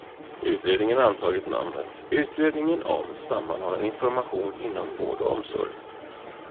Utredningen har antagit namnet Utredningen om sammanhållen information inom vård och omsorg.